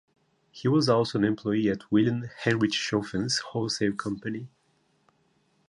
He was also an employee at William Hainrichshofen's wholesale company.